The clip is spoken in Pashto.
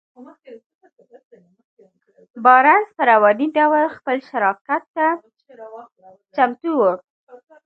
بارنس په رواني ډول خپل شراکت ته چمتو و.